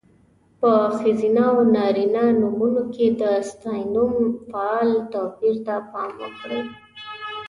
په ښځینه او نارینه نومونو کې د ستاینوم، فعل... توپیر ته پام وکړئ.